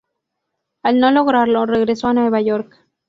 Al no lograrlo, regresó a Nueva York.